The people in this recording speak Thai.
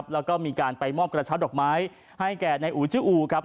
แล้วก็มีการไปมอบกระชาดอกไม้ให้แก่ในอูจุอู